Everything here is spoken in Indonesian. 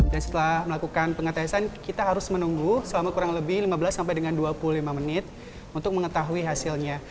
dan setelah melakukan pengetesan kita harus menunggu selama kurang lebih lima belas sampai dengan dua puluh lima menit untuk mengetahui hasilnya